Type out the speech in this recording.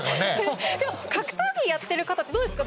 でも格闘技やってる方ってどうですか？